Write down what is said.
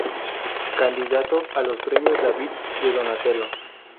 Candidato a los Premios David de Donatello.